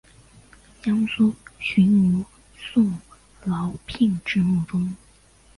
江苏巡抚宋荦聘致幕中。